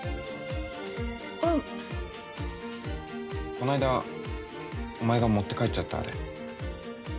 この間お前が持って帰っちゃったあれ。